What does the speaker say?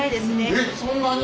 えっそんなに？